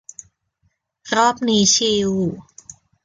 รอบนี้ชิล